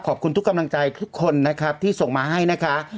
ขอบคุณทุกกำลังใจทุกคนนะครับที่ส่งมาให้นะคะ